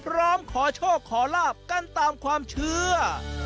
ร้องขอโชคขอลาบกันตามความเชื่อ